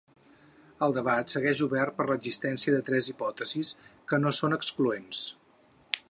El debat segueix obert per l’existència de tres hipòtesis, que no són excloents.